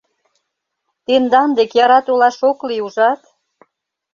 — Тендан дек яра толаш ок лий, ужат?..